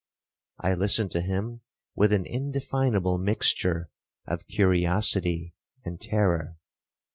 I listened to him with an indefinable mixture of curiosity and terror.